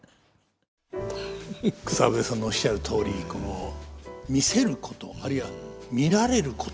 草笛さんのおっしゃるとおり「見せること」あるいは「見られること」。